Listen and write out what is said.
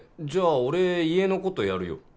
じゃあ俺家のことやるよ。